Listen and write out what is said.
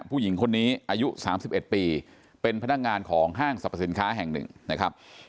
ผู้หญิงคนนี้อายุ๓๑ปีเป็นพนักงานของห้างสรรพสินค้าแห่งหนึ่งนะครับ